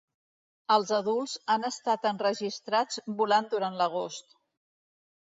Els adults han estat enregistrats volant durant l'agost.